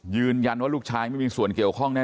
ยืนยันว่าลูกชายไม่มีส่วนเกี่ยวข้องแน